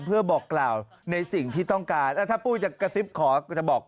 เพื่อบอกกล่าวในสิ่งที่ต้องการถ้าปุ้ยจะกระซิบขอก็จะบอก